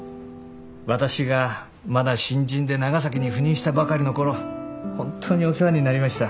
私がまだ新人で長崎に赴任したばかりの頃本当にお世話になりました。